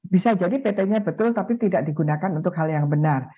bisa jadi pt nya betul tapi tidak digunakan untuk hal yang benar